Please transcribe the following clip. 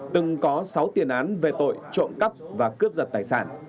từng có sáu tiền án về tội trộm cắp và cướp giật tài sản